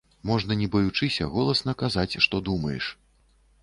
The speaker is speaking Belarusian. Можна не баючыся голасна казаць, што думаеш.